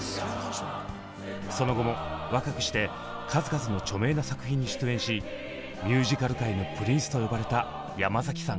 その後も若くして数々の著名な作品に出演し「ミュージカル界のプリンス」と呼ばれた山崎さん。